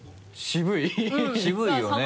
渋いよね。